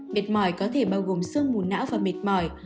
mệt mỏi có thể bao gồm sương mù não và mệt mỏi